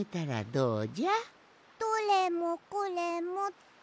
どれもこれもって？